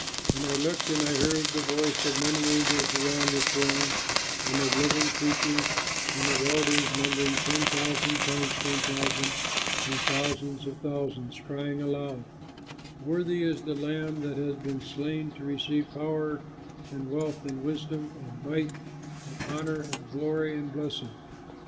And I looked and I heard the voice of many angels around the throne and of the living creatures and of the elders, numbering ten thousand times ten thousand and thousands of thousands, crying aloud, "Worthy is the Lamb that has been slain to receive power and wealth and wisdom and might and honor and glory and blessing."